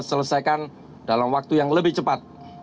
selesaikan dalam waktu yang lebih cepat